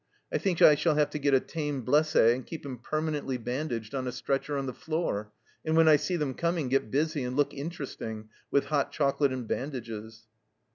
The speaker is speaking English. I think I shall have to get a tame blesse and keep him permanently bandaged on a stretcher on the floor, and when I see them coming get busy and look interesting with hot chocolate and bandages."